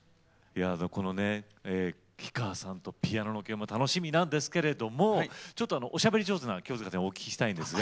このね氷川さんとピアノの共演も楽しみなんですけれどもちょっとおしゃべり上手な清さんにお聞きしたいんですが。